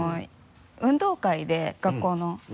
運動会で学校の。